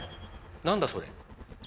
何だそれ？